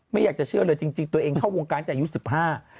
ไม่อยากจะเชื่อเลยจริงตัวเองเข้าวงการจากอายุ๑๕